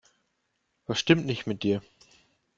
Was stimmt nicht mit dir?